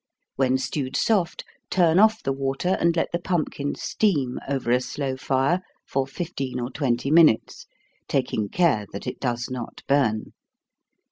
When stewed soft, turn off the water, and let the pumpkin steam, over a slow fire, for fifteen or twenty minutes, taking care that it does not burn.